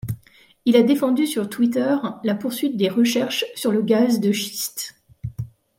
Il a défendu sur Twitter la poursuite des recherches sur le gaz de schiste.